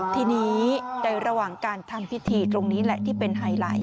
ทีนี้ในระหว่างการทำพิธีตรงนี้แหละที่เป็นไฮไลท์